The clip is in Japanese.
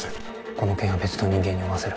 この件は別の人間に追わせる。